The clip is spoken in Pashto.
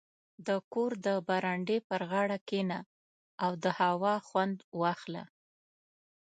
• د کور د برنډې پر غاړه کښېنه او د هوا خوند واخله.